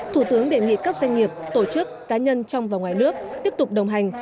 thủ tướng đề nghị các doanh nghiệp tổ chức cá nhân trong và ngoài nước tiếp tục đồng hành